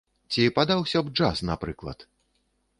Ці падаўся б у джаз, напрыклад?